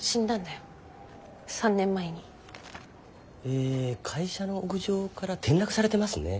え会社の屋上から転落されてますね。